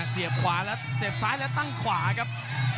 เสียบขวาแล้วเสียบซ้ายแล้วตั้งขวาครับ